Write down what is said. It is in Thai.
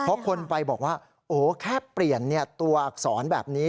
เพราะคนไปบอกว่าโอ้แค่เปลี่ยนตัวอักษรแบบนี้